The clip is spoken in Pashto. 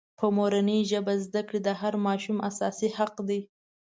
په مورنۍ ژبه زدکړې د هر ماشوم اساسي حق دی.